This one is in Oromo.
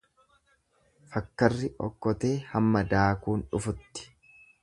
Fakkarri okkotee hamma daakuun dhufutti.